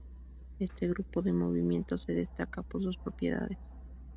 Este grupo de movimientos se destaca por sus propiedades.